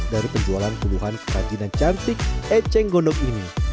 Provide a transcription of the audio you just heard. dari penjualan puluhan kerajinan cantik eceng gondok ini